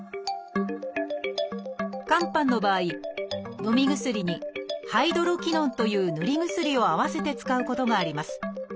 肝斑の場合のみ薬に「ハイドロキノン」という塗り薬を併せて使うことがあります。